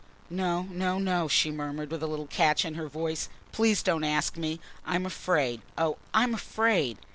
"No, no, no," she murmured with a little catch in her voice. "Please don't ask me! I am afraid. Oh, I am afraid!"